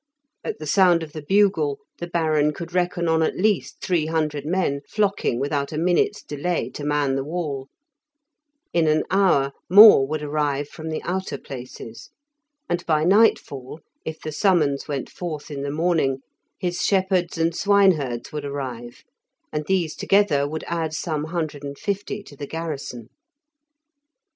At the sound of the bugle the Baron could reckon on at least three hundred men flocking without a minute's delay to man the wall; in an hour more would arrive from the outer places, and by nightfall, if the summons went forth in the morning, his shepherds and swineherds would arrive, and these together would add some hundred and fifty to the garrison.